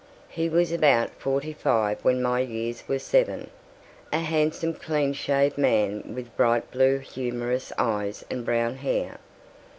He was about forty five when my years were seven, a handsome clean shaved man with bright blue humorous eyes and brown hair.